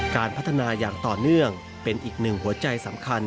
การพัฒนาอย่างต่อเนื่องเป็นอีกหนึ่งหัวใจสำคัญ